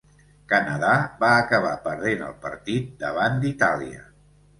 Canadà va acabar perdent el partit davant d'Itàlia.